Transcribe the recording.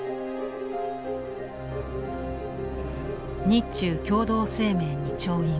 日中共同声明に調印。